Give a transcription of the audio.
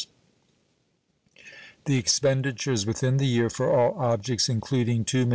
The expenditures within the year for all objects, including $2,572,240.